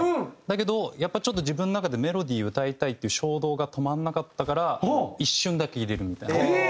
だけどやっぱりちょっと自分の中で『メロディー』を歌いたいっていう衝動が止まんなかったから一瞬だけ入れるみたいな。